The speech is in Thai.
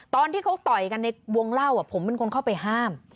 ตอนที่เขาต่อยกันในวงเล่าผมเป็นคนเข้าไปห้าม